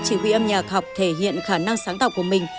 chỉ huy âm nhạc học thể hiện khả năng sáng tạo của mình